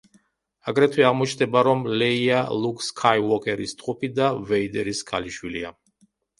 აგრეთვე აღმოჩნდება, რომ ლეია ლუკ სკაიუოკერის ტყუპი და და ვეიდერის ქალიშვილია.